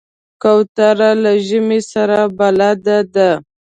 کوتره له ژمي سره بلد ده.